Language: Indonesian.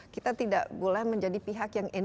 kita tidak boleh menjadi pihak yang